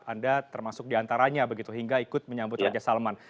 anda termasuk diantaranya begitu hingga ikut menyambut raja salman